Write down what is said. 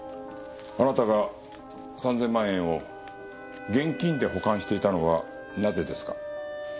あなたが３０００万円を現金で保管していたのはなぜですか？